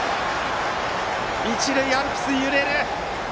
一塁アルプスが揺れる。